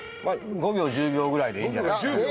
５秒１０秒ぐらいでいいんじゃないですかね。